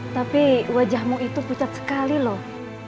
tapi wajahmu itu pucat sekali loh